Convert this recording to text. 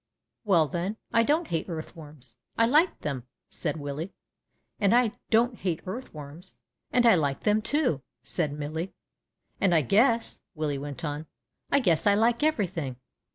^^Well, then, I don't hate earthworms, I like them," said Willie. ^^And I don't hate earthworms, and I like them, too," said Millie. ^^And I guess," Willie went on, — I guess I like everything."